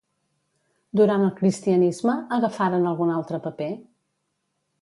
Durant el cristianisme, agafaren algun altre paper?